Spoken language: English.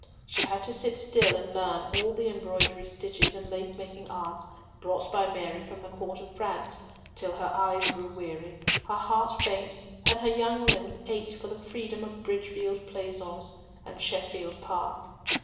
She had to sit still and learn all the embroidery stitches and lace making arts brought by Mary from the Court of France, till her eyes grew weary, her heart faint, and her young limbs ached for the freedom of Bridgefield Pleasaunce and Sheffield Park.